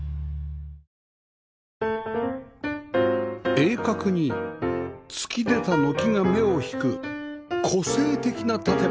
鋭角に突き出た軒が目を引く個性的な建物